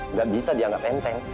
nggak bisa dianggap enteng